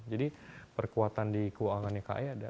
jadi perkuatan di keuangannya kai ada